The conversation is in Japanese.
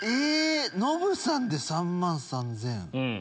ノブさんで３万３３００。